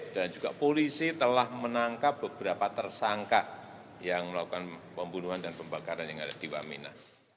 dan juga polisi telah menangkap beberapa tersangka yang melakukan pembunuhan dan pembakaran yang ada di wamena